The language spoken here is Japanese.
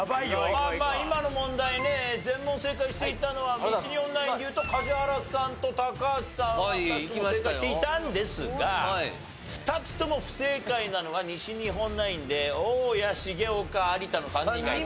まあまあ今の問題ね全問正解していたのは西日本ナインでいうと梶原さんと高橋さんが２つとも正解していたんですが２つとも不正解なのが西日本ナインで大家重岡有田の３人がいた。